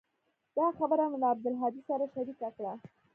دا خبره مې له عبدالهادي سره شريکه کړه.